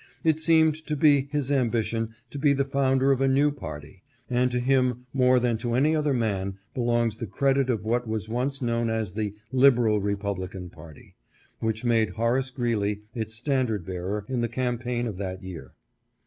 It seemed to be his ambition to be the founder of a new party ; and to him more than to any other man belongs the credit of what was once known as the Liberal Republican party, which made Horace Greeley its standard bearer in the campaign of that year.